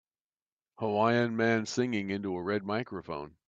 Hawaiian man singing into a red microphone.